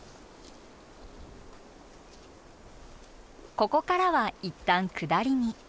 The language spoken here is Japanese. ここからはいったん下りに。